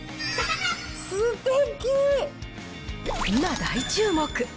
今、大注目！